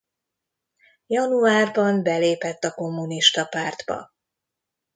Januárban belépett a kommunista pártba.